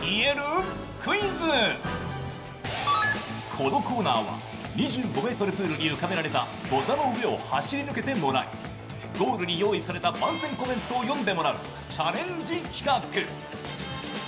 このコーナーは２５ｍプールに浮かべられたゴザの上を走り抜けてもらいゴールに用意された番宣コメントを読んでもらうチャレンジ企画。